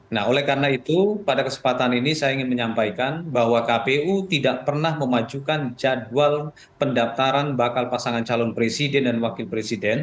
nah oleh karena itu pada kesempatan ini saya ingin menyampaikan bahwa kpu tidak pernah memajukan jadwal pendaftaran bakal pasangan calon presiden dan wakil presiden